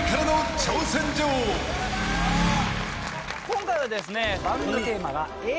今回はですね。